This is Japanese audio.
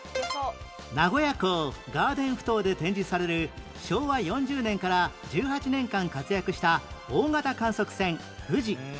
名古屋港ガーデンふ頭で展示される昭和４０年から１８年間活躍した大型観測船ふじ